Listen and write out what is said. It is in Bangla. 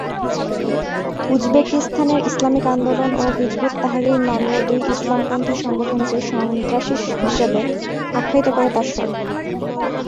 উজবেকিস্তানের ইসলামিক আন্দোলন ও হিজব-উত-তাহরির নামীয় দুই ইসলামপন্থী সংগঠনকে সন্ত্রাসী হিসেবে আখ্যায়িত করে তার সরকার।